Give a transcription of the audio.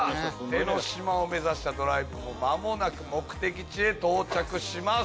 江の島を目指したドライブも間もなく目的地へ到着します。